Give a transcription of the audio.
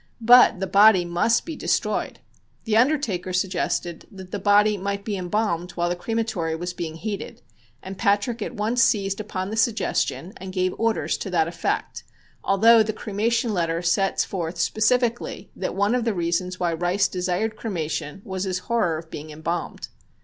But the body must be destroyed. The undertaker suggested that the body might be embalmed while the crematory was being heated, and Patrick at once seized upon the suggestion and gave orders to that effect, although the cremation letter sets forth specifically that one of the reasons why Rice desired cremation was his horror of being embalmed.